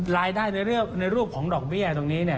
รายได้ในรูปของดอกเบี้ยตรงนี้เนี่ย